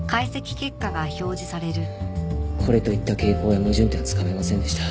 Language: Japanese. これといった傾向や矛盾点はつかめませんでした。